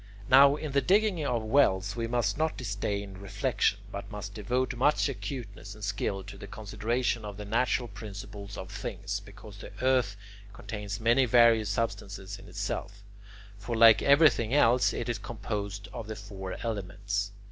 Now in the digging of wells we must not disdain reflection, but must devote much acuteness and skill to the consideration of the natural principles of things, because the earth contains many various substances in itself; for like everything else, it is composed of the four elements.